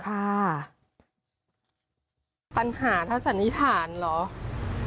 ปัญหาทัศนิษฐานเหรอ